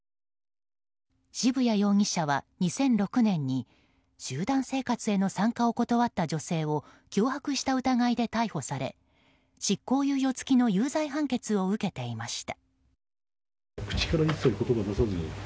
渋谷容疑者は、２００６年に集団生活への参加を断った女性を脅迫した疑いで逮捕され執行猶予付きの有罪判決を受けていました。